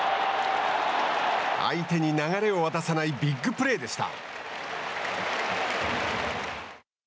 相手に流れを渡さないビッグプレーでした。